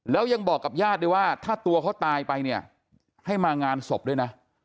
แล้วยังบอกกับญาติด้วยว่าถ้าตัวเขาตายไปเนี่ยให้มางานศพด้วยนะ